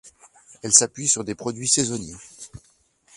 Elle s'appuie sur des produits saisonniers.